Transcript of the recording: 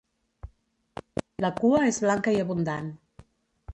La cua és blanca i abundant.